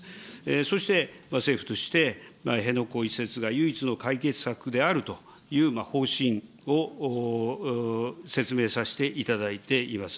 そして政府として辺野古移設が唯一の解決策であるという方針を説明させていただいています。